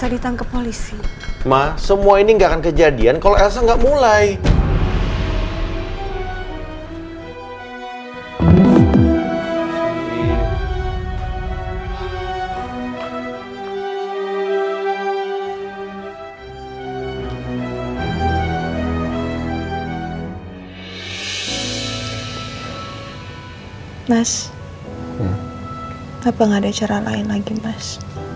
apa gak ada cara lain lagi mas